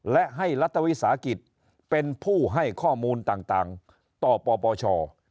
และให้รัฐวิสาหกิจเป็นผู้ให้ข้อมูลต่างต่อปปช